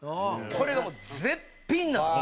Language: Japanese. これがもう絶品なんですよ